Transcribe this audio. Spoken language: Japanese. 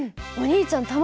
お兄ちゃん